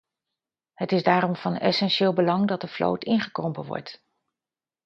Het is daarom van essentieel belang dat de vloot ingekrompen wordt.